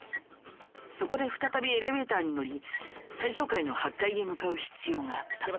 そこで再びエレベーターに乗り最上階の８階へ向かう必要があった。